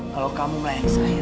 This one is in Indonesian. kalau kamu melayang saya